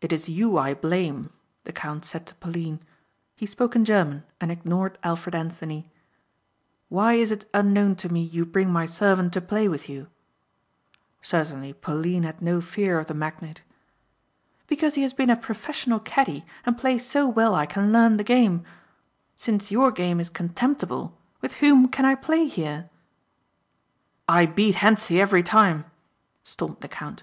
"It is you I blame," the count said to Pauline. He spoke in German and ignored Alfred Anthony. "Why is it unknown to me you bring my servant to play with you?" Certainly Pauline had no fear of the magnate. "Because he has been a professional caddie and plays so well I can learn the game. Since your game is contemptible with whom can I play here?" "I beat Hentzi every time," stormed the Count.